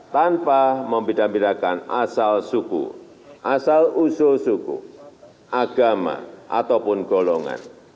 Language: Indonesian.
tanpa membedah bedahkan asal suku asal usuh suku agama ataupun golongan